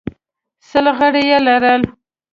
سل غړي یې لرل